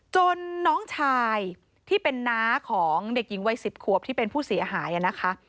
น้องชายที่เป็นน้าของเด็กหญิงวัย๑๐ขวบที่เป็นผู้เสียหายนะคะ